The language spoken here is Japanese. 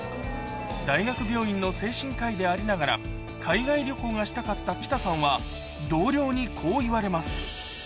大学病院の精神科医でありながら、海外旅行がしたかった北さんは、同僚にこう言われます。